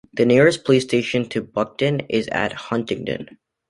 The nearest police station to Buckden is at Huntingdon.